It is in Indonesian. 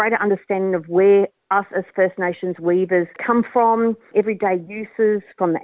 di mana kita sebagai penerima first nations datang dari penggunaan sehari hari